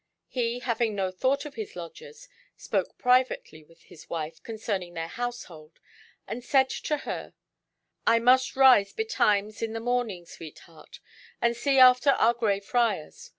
He, having no thought of his lodgers, spoke privately with his wife concerning their household, and said to her "I must rise betimes in the morning, sweetheart, and see after our Grey Friars.